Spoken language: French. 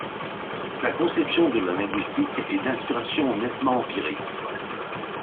Sa conception de la linguistique est d'inspiration nettement empirique.